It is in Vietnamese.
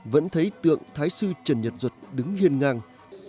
vẫn thấy tượng thái sư trần nhật duật đứng hiên ngang